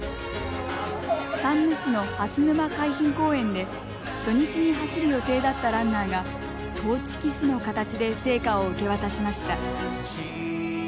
山武市の蓮沼海浜公園で初日に走る予定だったランナーがトーチキスの形で聖火を受け渡しました。